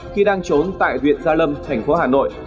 khi đang trốn tại huyện gia lâm thành phố hà nội